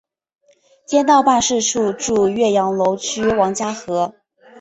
街道办事处驻岳阳楼区王家河。